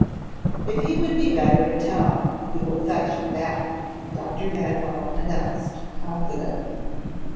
"If he would be better in town, we will fetch him back," Dr. Manwell announced confidently.